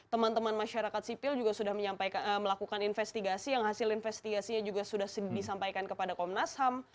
teman teman masyarakat sipil juga sudah melakukan investigasi yang hasil investigasinya juga sudah disampaikan kepada komnas ham